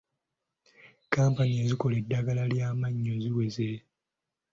Kkampuni ezikola eddagala ly'amannyo ziweze.